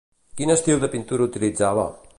Quin estil de pintura utilitzava?